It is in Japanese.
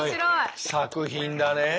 作品だねえ